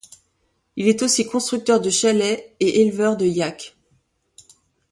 Il est aussi constructeur de chalets et éleveur de Yacks.